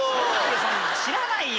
知らないよ！